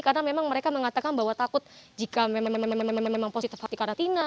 karena memang mereka mengatakan bahwa takut jika memang positif hati karatina